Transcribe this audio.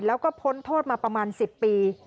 แล้วก็พ้นโทษมาประมาณ๑๐ปี